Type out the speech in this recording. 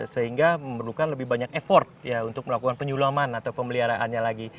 sehingga memerlukan lebih banyak effort untuk melakukan penyulaman atau pemeliharaannya lagi